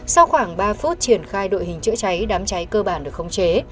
sau khoảng ba phút triển khai đội hình chữa cháy đám cháy cơ bản được khống chế